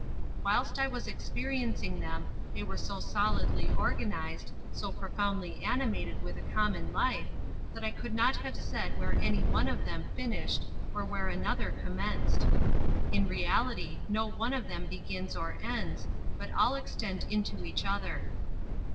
Whilst I was experien cing them they were so solidly organized, so profoundly animated with a common life, that I could not have said where any one of them finished or where another com menced. In reality no one of them begins or ends, but all extend into each other.